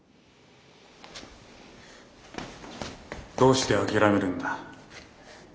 どうして諦めるんだ。